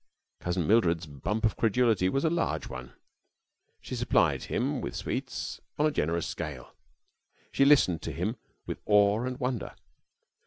Cousin Mildred's bump of credulity was a large one. She supplied him with sweets on a generous scale. She listened to him with awe and wonder.